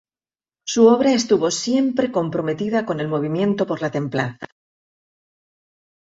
Su obra estuvo siempre comprometida con el movimiento por la templanza.